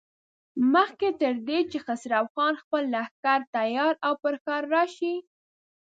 مخکې تر دې چې خسرو خان خپل لښکر تيار او پر ښار راشي.